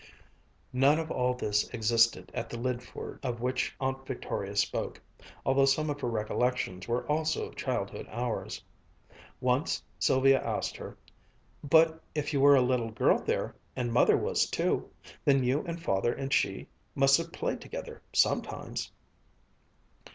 Nothing of all this existed in the Lydford of which Aunt Victoria spoke, although some of her recollections were also of childhood hours. Once Sylvia asked her, "But if you were a little girl there, and Mother was too, then you and Father and she must have played together sometimes?"